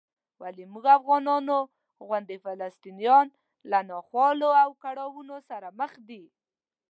ولې موږ افغانانو غوندې فلسطینیان له ناخوالو او کړاوونو سره مخ دي؟